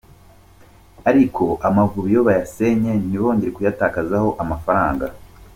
Ariko amavubi yo bayasenye ntibongere kuyatakazaho amafaranga.